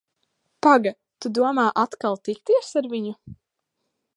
Paga, tu domā atkal tikties ar viņu?